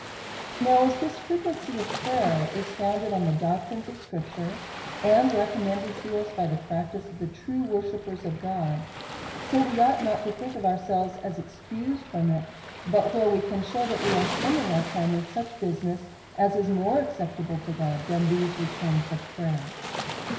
Now as this frequency of prayer is founded in the doctrine of scripture, and recommended to us by the practice of the true worshippers of God ; so we ought not to think ourselves excused from it, but where we can shew, that we are spending our time in such busi ness, as is more acceptable to God, than these returns of prayer.